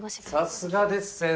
さすがです先生。